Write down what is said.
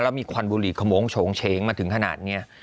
แล้วมีควันบุหรีขมงโฉงเฉงมาถึงขนาดนี้